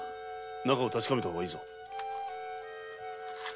中身も確かめた方がいいぞ。